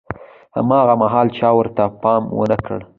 هاغه مهال چا ورته پام ونه کړ.